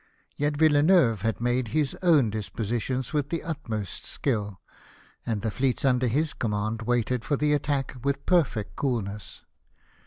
Yet Villeneuve had made his own dis positions with the utmost skill, and the fleets under his command waited for the attack with perfect cool ness.